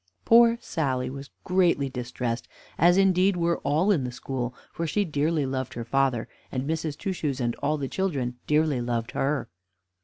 Poor Sally was greatly distressed, as indeed were all in the school, for she dearly loved her father, and Mrs. Two Shoes and all her children dearly loved her.